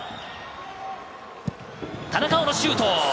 田中碧のシュート！